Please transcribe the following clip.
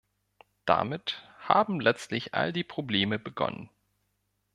Damit haben letztlich all die Probleme begonnen.